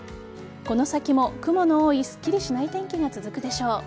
この先も雲の多いすっきりしない天気が続くでしょう。